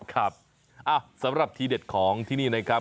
ครับสำหรับทีเด็ดของที่นี่นะครับ